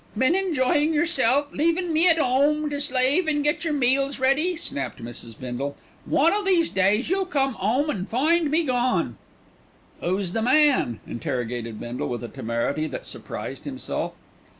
"Been enjoyin' yerself, leavin' me at 'ome to slave and get yer meals ready," snapped Mrs. Bindle. "One o' these days you'll come 'ome and find me gone." "'Oo's the man?" interrogated Bindle with a temerity that surprised himself.